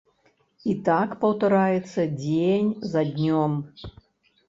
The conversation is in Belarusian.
І так паўтараецца дзень за днём.